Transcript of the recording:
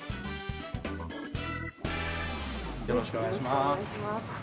よろしくお願いします。